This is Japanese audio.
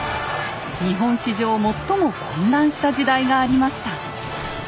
日本史上最も混乱した時代がありました。